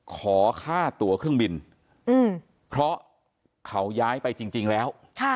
ขอค่าตัวเครื่องบินเพราะเขาย้ายไปจริงแล้ว